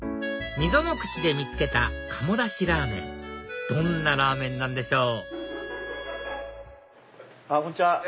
溝の口で見つけた鴨だしらぁ麺どんなラーメンなんでしょう？